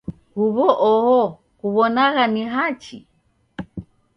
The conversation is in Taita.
Huw'u oho kuw'onagha ni hachi?